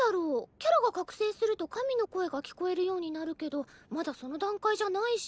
キャラが覚醒すると神の声が聞こえるようになるけどまだその段階じゃないし。